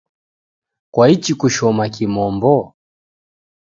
Kwaichi kushoma kimombo?